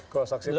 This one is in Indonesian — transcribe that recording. kalau saksi palsu